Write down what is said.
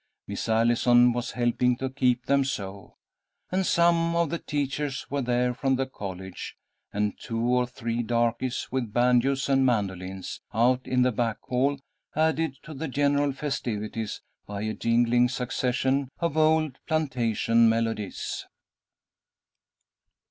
Miss Allison was helping to keep them so, and some of the teachers were there from the college, and two or three darkies, with banjoes and mandolins, out in the back hall, added to the general festivities by a jingling succession of old plantation melodies.